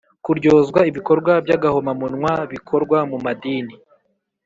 kuryozwa ibikorwa by agahomamunwa bikorwa mu madini